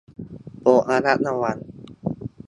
โปรดระมัดระวัง